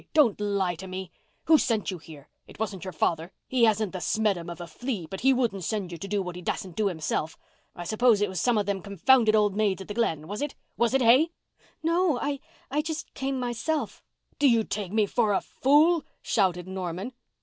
Don't lie to me! Who sent you here? It wasn't your father—he hasn't the smeddum of a flea—but he wouldn't send you to do what he dassn't do himself. I suppose it was some of them confounded old maids at the Glen, was it—was it, hey?" "No—I—I just came myself." "Do you take me for a fool?" shouted Norman.